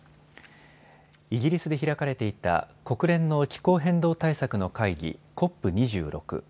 イギリスで開かれていた国連の気候変動対策の会議、ＣＯＰ２６。